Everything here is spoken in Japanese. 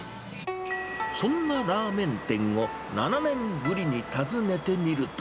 そんなラーメン店を７年ぶりに訪ねてみると。